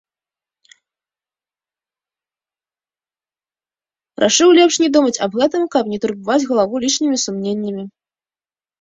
Рашыў лепш не думаць аб гэтым, каб не турбаваць галаву лішнімі сумненнямі.